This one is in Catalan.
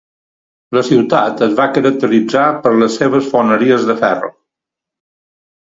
La ciutat es va caracteritzar per les seves foneries de ferro.